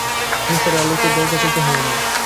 নিসার আলিকে দরজা খুলতে হল না।